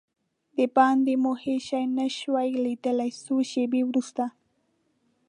دباندې مو هېڅ شی نه شوای لیدلای، څو شېبې وروسته.